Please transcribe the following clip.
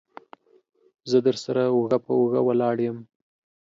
زه درسره اوږه په اوږه ولاړ يم.